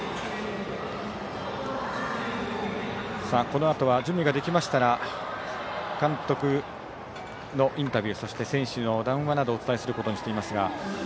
このあとは準備ができましたら監督のインタビューそして選手の談話などをお伝えすることにしていますが。